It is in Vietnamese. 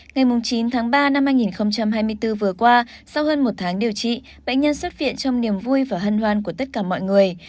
ngày chín tháng ba năm hai nghìn hai mươi bốn vừa qua sau hơn một tháng điều trị bệnh nhân xuất viện trong niềm vui và hân hoan của tất cả mọi người